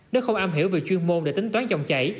nếu không am hiểu về chuyên môn để tính toán dòng chảy